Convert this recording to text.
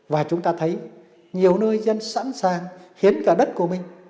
và chúng ta thấy nhiều nơi dân sẵn sàng khiến cả đất của mình